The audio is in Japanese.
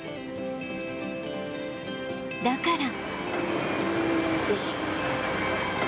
だから